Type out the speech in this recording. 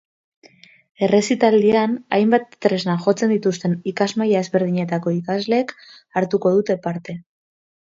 Errezitaldian, hainbat tresna jotzen dituzten ikasmaila ezberdinetako ikasleek hartuko dute parte.